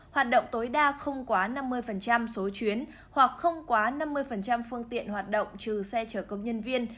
hoạt động tối đa không quá năm mươi số chuyến hoặc không quá năm mươi phương tiện hoạt động trừ xe chở công nhân viên